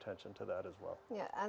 tapi kita memiliki kemahiran di area lain